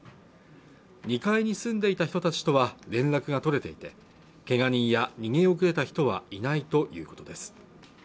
２階に住んでいた人たちとは連絡が取れていてけが人や逃げ遅れた人はいないということです